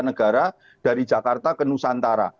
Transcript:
negara dari jakarta ke nusantara